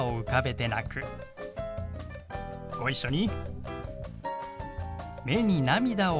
ご一緒に。